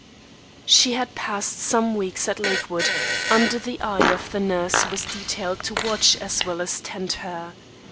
She had passed some weeks at Lakewood, under the eye of the nurse who was detailed to watch, as well as tend her.